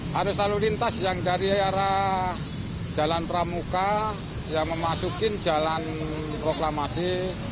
harus lalu lintas yang dari arah jalan pramuka yang memasukin jalan proklamasi